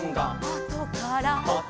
「あとから」